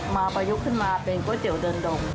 ประยุกต์ขึ้นมาเป็นก๋วยเตี๋ยวเดินดง